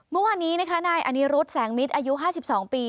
เมื่อวานนี้นะคะนายอนิรุธแสงมิตรอายุ๕๒ปี